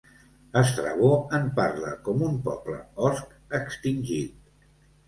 Estrabó en parla com un poble osc extingit.